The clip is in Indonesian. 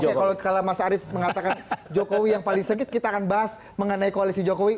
ya kalau mas arief mengatakan jokowi yang paling sengit kita akan bahas mengenai koalisi jokowi